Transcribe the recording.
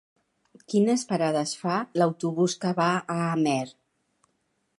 Quines parades fa l'autobús que va a Amer?